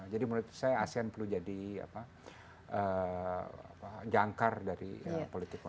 jadi menurut saya asean perlu jadi jangkar dari politik luar negeri